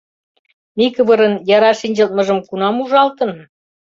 Микывырын яра шинчылтмыжым кунам ужалтын?